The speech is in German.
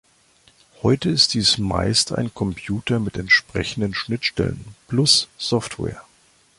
Heute ist dies meist ein Computer mit entsprechenden Schnittstellen plus Software.